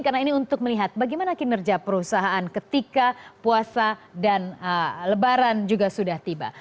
karena ini untuk melihat bagaimana kinerja perusahaan ketika puasa dan lebaran juga sudah tiba